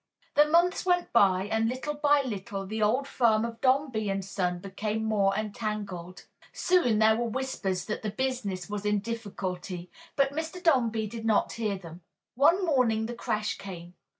The months went by and little by little the old firm of Dombey and Son became more entangled. Soon there were whispers that the business was in difficulty, but Mr. Dombey did not hear them. One morning the crash came.